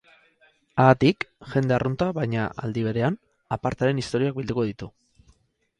Haatik, jende arrunta baina, aldi berean, apartaren historiak bilduko ditu.